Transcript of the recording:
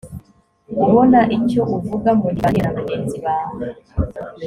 ubona icyo uvuga mu gihe uganira na bagenzi bawe